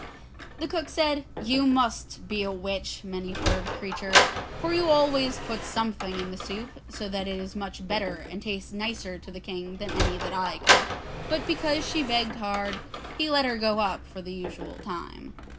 The cook said, 'You must be a witch, Many furred Creature, for you always put something in the soup, so that it is much better and tastes nicer to the King than any that I cook.' But because she begged hard, he let her go up for the usual time.